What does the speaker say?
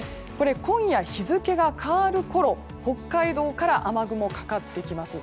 今夜、日付が変わるころに北海道から雨雲がかかってきます。